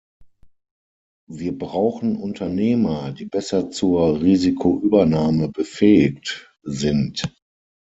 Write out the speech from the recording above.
Wir brauchen Unternehmer, die besser zur Risikoübernahme befähigt sind.